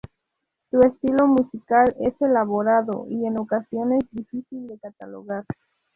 Su estilo musical es elaborado y, en ocasiones, difícil de catalogar.